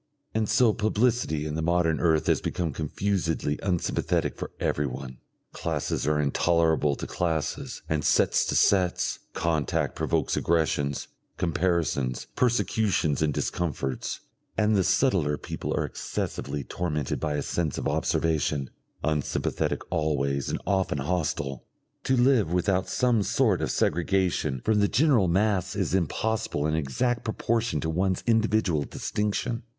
And so publicity in the modern earth has become confusedly unsympathetic for everyone. Classes are intolerable to classes and sets to sets, contact provokes aggressions, comparisons, persecutions and discomforts, and the subtler people are excessively tormented by a sense of observation, unsympathetic always and often hostile. To live without some sort of segregation from the general mass is impossible in exact proportion to one's individual distinction.